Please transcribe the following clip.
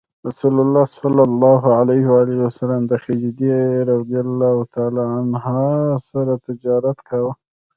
رسول الله ﷺ د خدیجې رض سره تجارت کاوه.